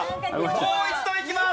もう一度いきます。